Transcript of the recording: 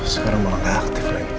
sekarang malah aktif lagi